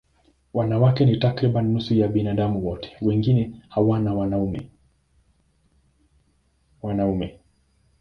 Wanawake ni takriban nusu ya binadamu wote, wengine huwa wanaume.